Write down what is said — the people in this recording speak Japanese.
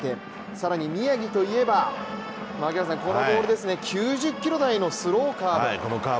更に宮城といえば槙原さん、このボールですね、９０ｋｍ台のスローカーブ。